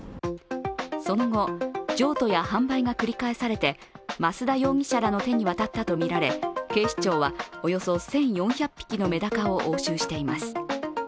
その後、譲渡や販売が繰り返されて増田容疑者らの手に渡ったとみられ警視庁はおよそ１４００匹のメダカを押収しています。